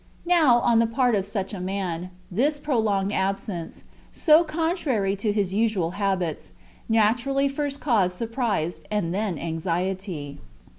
Now, on the part of such a man, this prolonged absence, so contrary to his usual habits, naturally first caused surprise, and then anxiety.